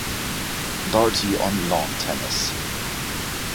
Doherty on Lawn Tennis".